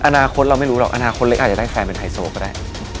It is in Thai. อนาคตเราไม่รู้หรอกอนาคตเล็กอาจจะได้แฟนเป็นไฮโซก็ได้